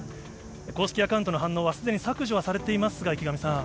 公式アカウントの反応は既に削除はされておりますが、池上さん。